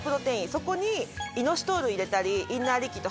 そこにイノシトール入れたりインナーリキッド